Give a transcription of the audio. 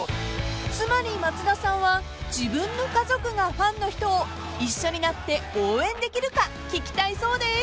［つまり松田さんは自分の家族がファンの人を一緒になって応援できるか聞きたいそうです］